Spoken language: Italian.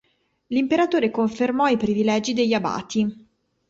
L'imperatore confermò i privilegi degli abati.